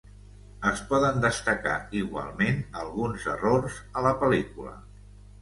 Es poden destacar igualment alguns errors a la pel·lícula.